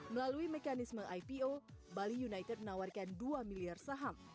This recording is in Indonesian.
melalui mekanisme ipo bali united menawarkan dua miliar saham